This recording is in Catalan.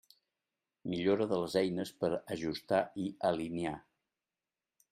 Millora de les eines per ajustar i alinear.